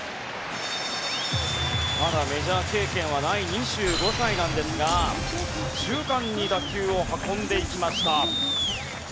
まだメジャー経験はない２５歳ですが中段に打球を運んでいきました。